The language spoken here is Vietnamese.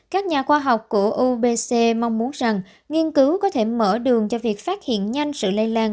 các nhà khoa học của obc mong muốn rằng nghiên cứu có thể mở đường cho việc phát hiện nhanh sự lây lan